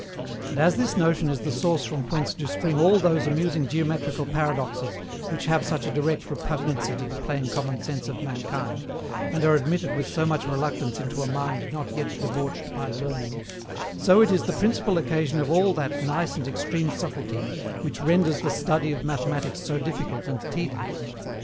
And, as this notion is the source from whence do spring all those amusing geometrical paradoxes which have such a direct repugnancy to the plain common sense of mankind, and are admitted with so much reluctance into a mind not yet debauched by learning; so it is the principal occasion of all that nice and extreme subtilty which renders the study of Mathematics so difficult and tedious.